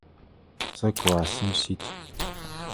Сэ классым сит.